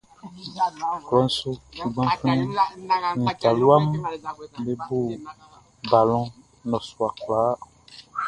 Klɔʼn su gbanflɛn nin talua mun be bo balɔn nnɔsua kwlaa.